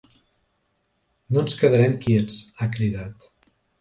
No ens quedarem quiets, ha cridat.